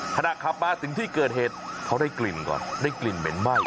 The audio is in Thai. ขณะขับมาถึงที่เกิดเหตุเขาได้กลิ่นก่อนได้กลิ่นเหม็นไหม้